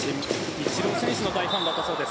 イチロー選手のファンだったそうです。